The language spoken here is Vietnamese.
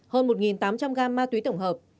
hơn một tám trăm linh gram ma tuế tổng hợp